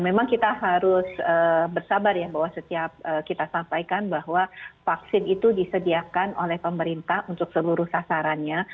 memang kita harus bersabar ya bahwa setiap kita sampaikan bahwa vaksin itu disediakan oleh pemerintah untuk seluruh sasarannya